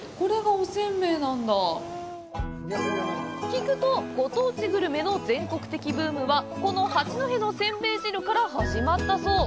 聞くと、ご当地グルメの全国的ブームはこの八戸のせんべい汁から始まったそう！